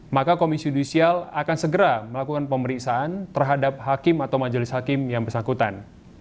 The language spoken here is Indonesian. maka komisi judisial akan segera melakukan pemeriksaan terhadap hakim atau majelis hakim yang bersangkutan